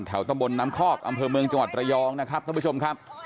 แถวตำบลน้ำคอกอำเภอเมืองจังหวัดระยองนะครับ